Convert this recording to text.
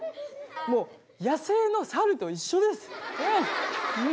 もう野生の猿と一緒です。